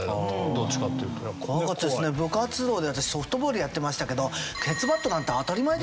部活動で私ソフトボールやってましたけど。